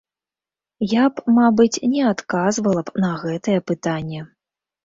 Я б, мабыць, не адказвала б на гэтае пытанне.